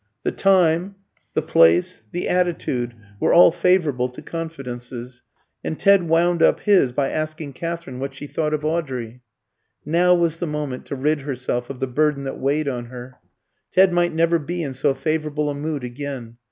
The time, the place, the attitude were all favourable to confidences, and Ted wound up his by asking Katherine what she thought of Audrey? Now was the moment to rid herself of the burden that weighed on her; Ted might never be in so favourable a mood again.